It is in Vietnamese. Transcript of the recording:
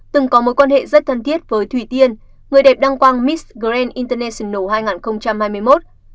từng có mối quan hệ rất thân thiết với thủy tiên người đẹp đăng quang mis grand international hai nghìn hai mươi một